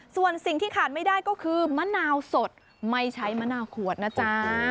ส่วนสิ่งที่ขาดไม่ได้ก็คือมะนาวสดไม่ใช้มะนาวขวดนะจ๊ะ